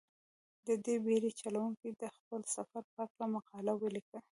دې بېړۍ چلوونکي د خپل سفر په هلکه مقاله ولیکله.